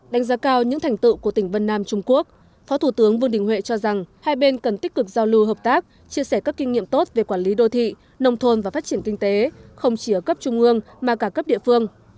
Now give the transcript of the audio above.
đánh giá cao những thành tựu của tỉnh vân nam trung quốc phó thủ tướng vương đình huệ cho rằng hai bên cần tích cực giao lưu hợp tác chia sẻ các kinh nghiệm tốt về quản lý đô thị nông thôn và phát triển kinh tế không chỉ ở cấp trung ương mà cả cấp địa phương